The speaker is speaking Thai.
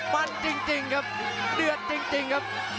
มันจริงจริงครับเดือดจริงจริงครับ